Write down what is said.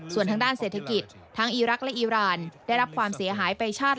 ส่วนทางด้านเศรษฐกิจทั้งอีรักษ์และอีรานได้รับความเสียหายไปชาติ